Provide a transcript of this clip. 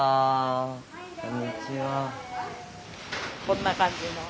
こんな感じの。